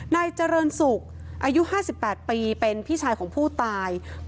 นายเจริญศุกร์อายุ๕๘ปีเป็นพี่ชายของผู้ตาย